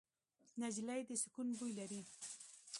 نجلۍ د سکون بوی لري.